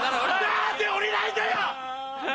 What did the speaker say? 何で降りないんだよ！